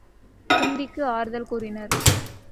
குந்திக்கு ஆறுதல் கூறினர்.